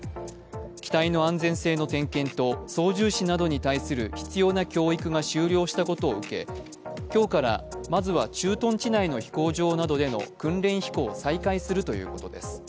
機体の安全性の点検と操縦士などに対する必要な教育が終了したことを受け、今日からまずは駐屯地内の飛行場などでの訓練飛行を再開するということです。